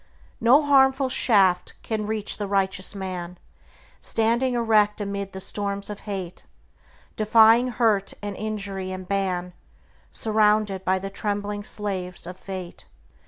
No harmful shaft can reach the righteous man, Standing erect amid the storms of hate, Defying hurt and injury and ban, Surrounded by the trembling slaves of Fate.